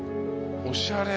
おしゃれ。